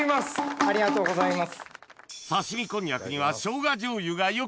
ありがとうございます。